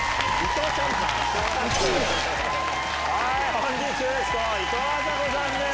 本日のゲストいとうあさこさんです。